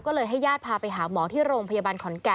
ก็เลยให้หญ้าทายภาคมาพยุดไปหาหมอที่โรงพยาบาลขอนแก่น